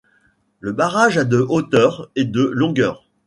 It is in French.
Le barrage a de hauteur et de longueur.